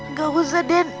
nggak usah den